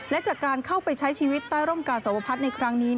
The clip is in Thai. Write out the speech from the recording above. และจากการเข้าไปใช้ชีวิตใต้ร่มกาสวพัฒน์ในครั้งนี้